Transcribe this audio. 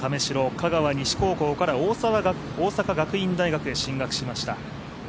香川西高校から大阪学院大学へ進学しました。